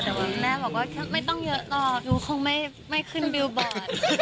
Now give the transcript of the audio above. แต่ว่าแม่บอกว่าไม่ต้องเยอะหรอกหนูคงไม่ขึ้นบิลบอร์ด